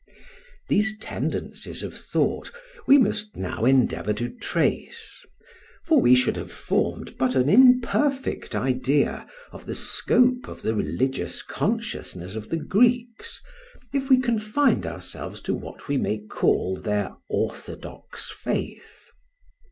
These tendencies of thought we must now endeavour to trace; for we should have formed but an imperfect idea of the scope of the religious consciousness of the Greeks if we confined ourselves to what we may call their orthodox faith.